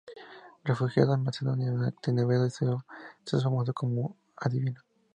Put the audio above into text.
Refugiado en Macedonia, Nectanebo se hace famoso como adivino.